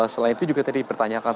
selain itu juga tadi dipertanyakan